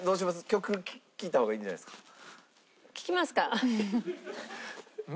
曲聴いた方がいいんじゃないですか。